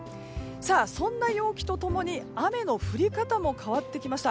そんな陽気と共に雨の降り方も変わってきました。